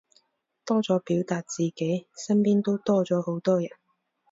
多咗表達自己，身邊都多咗好多人